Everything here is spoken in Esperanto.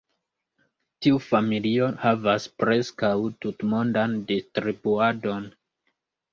Tiu familio havas preskaŭ tutmondan distribuadon.